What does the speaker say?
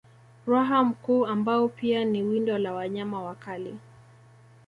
Ruaha mkuu ambao pia ni windo la wanyama wakali